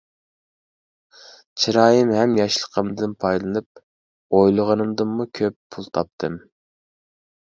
چىرايىم ھەم ياشلىقىمدىن پايدىلىنىپ ئويلىغىنىمدىنمۇ كۆپ پۇل تاپتىم.